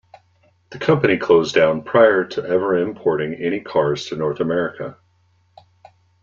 The company closed down prior to ever importing any cars to North America.